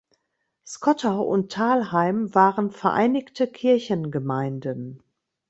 Skottau und Thalheim waren „vereinigte Kirchengemeinden“.